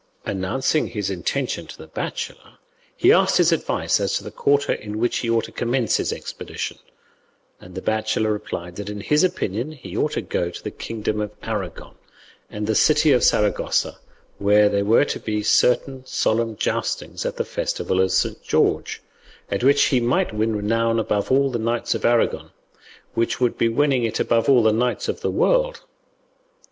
Announcing his intention to the bachelor, he asked his advice as to the quarter in which he ought to commence his expedition, and the bachelor replied that in his opinion he ought to go to the kingdom of Aragon, and the city of Saragossa, where there were to be certain solemn joustings at the festival of St. George, at which he might win renown above all the knights of Aragon, which would be winning it above all the knights of the world.